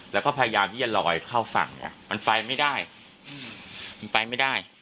แล้วก็พยายามที่จะลอยเข้าฝั่งไงมันไปไม่ได้มันไปไม่ได้